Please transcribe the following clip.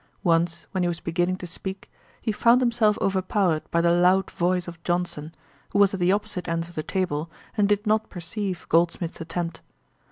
Once when he was beginning to speak, he found himself overpowered by the loud voice of Johnson, who was at the opposite end of the table, and did not perceive Goldsmith's attempt.